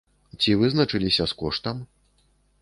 Ці вызначыліся з коштам?